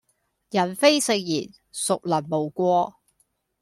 人非聖賢孰能無過